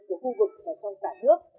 của khu vực và trong cả nước